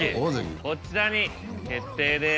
こちらに決定です